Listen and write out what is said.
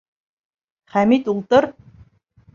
Хәмит, ултыр!